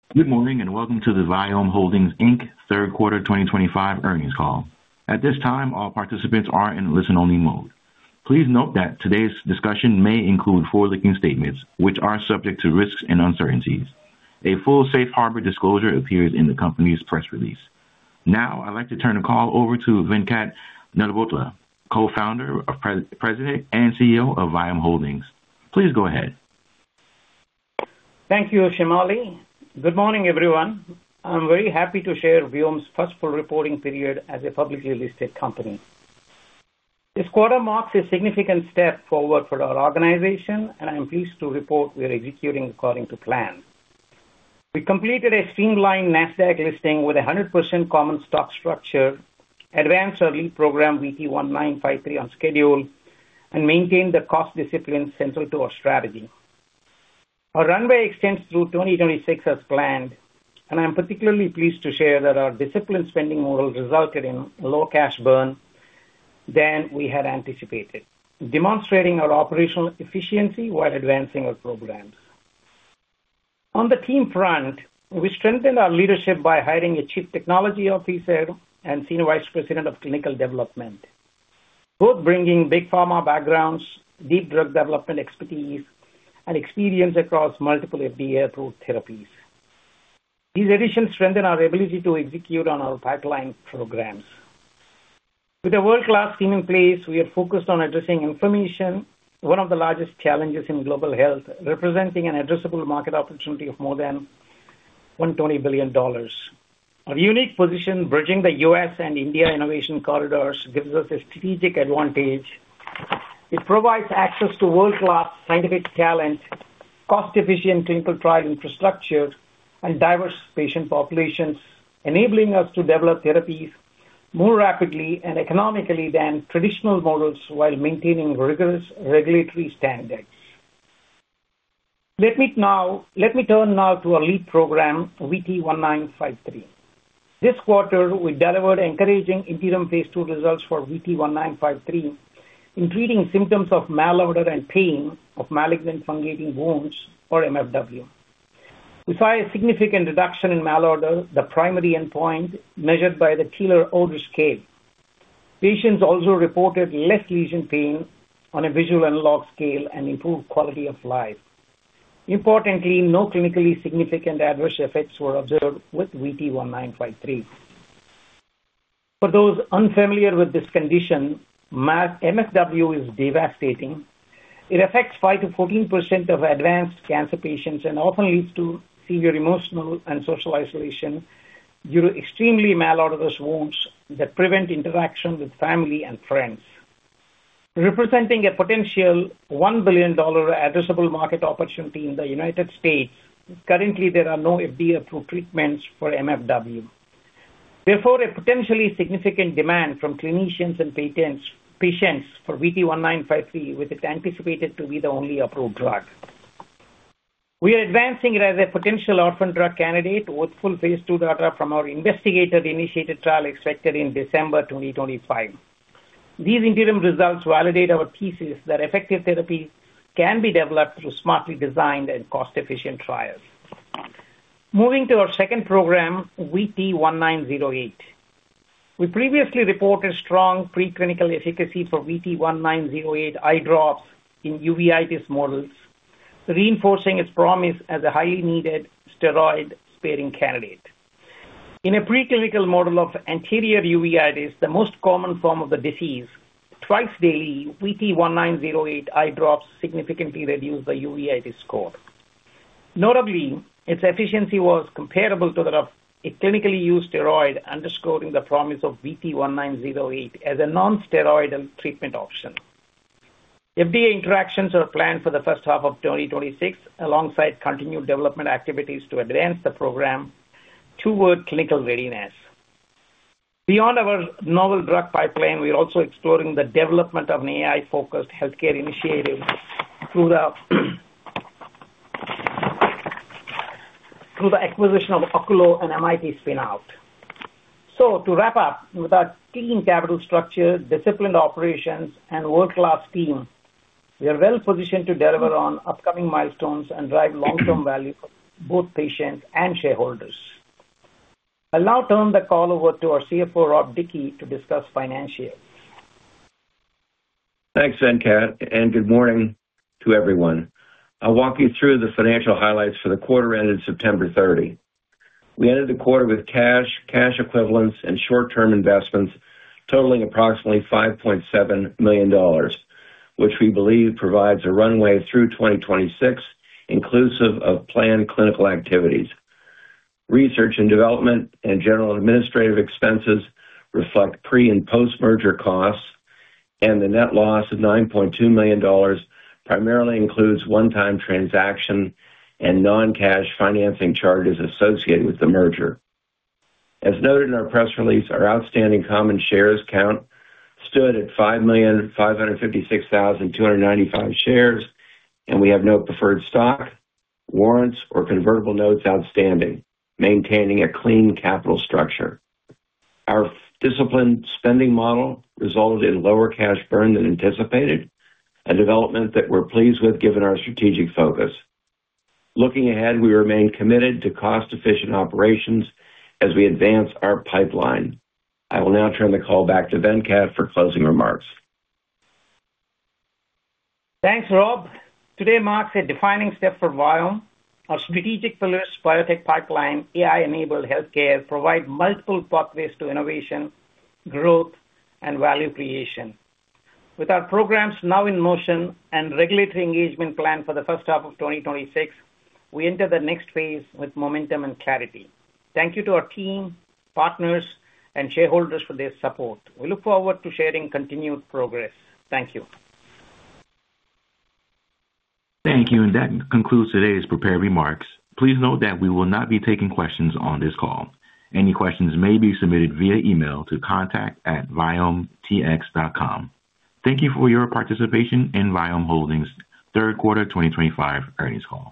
Good morning and welcome to the Vyome Holdings Q3 2025 earnings call. At this time, all participants are in listen-only mode. Please note that today's discussion may include forward-looking statements, which are subject to risks and uncertainties. A full safe harbor disclosure appears in the company's press release. Now, I'd like to turn the call over to Venkat Nalabhotra, co-founder, President, and CEO of Vyome Holdings. Please go ahead. Thank you, Shimali. Good morning, everyone. I'm very happy to share Vyome's first full reporting period as a publicly listed company. This quarter marks a significant step forward for our organization, and I'm pleased to report we are executing according to plan. We completed a streamlined NASDAQ listing with a 100% common stock structure, advanced early program VT1953 on schedule, and maintained the cost discipline central to our strategy. Our runway extends through 2026 as planned, and I'm particularly pleased to share that our disciplined spending model resulted in a lower cash burn than we had anticipated, demonstrating our operational efficiency while advancing our programs. On the team front, we strengthened our leadership by hiring a Chief Technology Officer and Senior Vice President of Clinical Development, both bringing big pharma backgrounds, deep drug development expertise, and experience across multiple FDA-approved therapies. These additions strengthen our ability to execute on our pipeline programs. With a world-class team in place, we are focused on addressing inflammation, one of the largest challenges in global health, representing an addressable market opportunity of more than $120 billion. Our unique position, bridging the U.S. and India innovation corridors, gives us a strategic advantage. It provides access to world-class scientific talent, cost-efficient clinical trial infrastructure, and diverse patient populations, enabling us to develop therapies more rapidly and economically than traditional models while maintaining rigorous regulatory standards. Let me turn now to our lead program, VT1953. This quarter, we delivered encouraging interim phase two results for VT1953 in treating symptoms of malodor and pain of malignant fungating wounds, or MFW. We saw a significant reduction in malodor, the primary endpoint, measured by the Killer-Oder scale. Patients also reported less lesion pain on a visual analog scale and improved quality of life. Importantly, no clinically significant adverse effects were observed with VT1953. For those unfamiliar with this condition, MFW is devastating. It affects 5%-14% of advanced cancer patients and often leads to severe emotional and social isolation due to extremely malodorous wounds that prevent interaction with family and friends. Representing a potential $1 billion addressable market opportunity in the United States, currently, there are no FDA-approved treatments for MFW. Therefore, a potentially significant demand from clinicians and patients for VT1953, with it anticipated to be the only approved drug. We are advancing it as a potential orphan drug candidate with full phase two data from our investigator-initiated trial expected in December 2025. These interim results validate our thesis that effective therapies can be developed through smartly designed and cost-efficient trials. Moving to our second program, VT1908. We previously reported strong preclinical efficacy for VT1908 eye drops in uveitis models, reinforcing its promise as a highly needed steroid-sparing candidate. In a preclinical model of anterior uveitis, the most common form of the disease, twice daily, VT1908 eye drops significantly reduce the uveitis score. Notably, its efficacy was comparable to that of a clinically used steroid, underscoring the promise of VT1908 as a non-steroidal treatment option. FDA interactions are planned for the first half of 2026, alongside continued development activities to advance the program toward clinical readiness. Beyond our novel drug pipeline, we are also exploring the development of an AI-focused healthcare initiative through the acquisition of Oculos and MIT Spinout. To wrap up, with our king capital structure, disciplined operations, and world-class team, we are well positioned to deliver on upcoming milestones and drive long-term value for both patients and shareholders. I'll now turn the call over to our CFO, Rob Dickey, to discuss financials. Thanks, Venkat, and good morning to everyone. I'll walk you through the financial highlights for the quarter ended September 30. We ended the quarter with cash, cash equivalents, and short-term investments totaling approximately $5.7 million, which we believe provides a runway through 2026, inclusive of planned clinical activities. Research and development and general administrative expenses reflect pre- and post-merger costs, and the net loss of $9.2 million primarily includes one-time transaction and non-cash financing charges associated with the merger. As noted in our press release, our outstanding common shares count stood at 5,556,295 shares, and we have no preferred stock, warrants, or convertible notes outstanding, maintaining a clean capital structure. Our disciplined spending model resulted in lower cash burn than anticipated, a development that we're pleased with given our strategic focus. Looking ahead, we remain committed to cost-efficient operations as we advance our pipeline. I will now turn the call back to Venkat for closing remarks. Thanks, Rob. Today marks a defining step for Vyome. Our strategic pillars, biotech pipeline, AI-enabled healthcare, provide multiple pathways to innovation, growth, and value creation. With our programs now in motion and regulatory engagement planned for the first half of 2026, we enter the next phase with momentum and clarity. Thank you to our team, partners, and shareholders for their support. We look forward to sharing continued progress. Thank you. Thank you, and that concludes today's prepared remarks. Please note that we will not be taking questions on this call. Any questions may be submitted via email to contact@vyometx.com. Thank you for your participation in Vyome Holdings Q3 2025 earnings call.